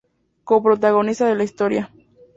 Co-Protagonista de la historia.